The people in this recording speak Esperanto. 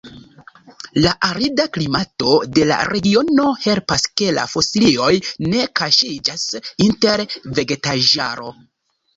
La arida klimato de la regiono helpas ke la fosilioj ne kaŝiĝas inter vegetaĵaro.